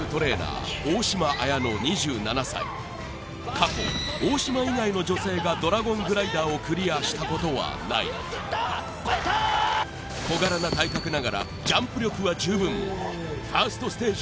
過去大嶋以外の女性がドラゴングライダーをクリアしたことはない小柄な体格ながらジャンプ力は十分ファーストステージ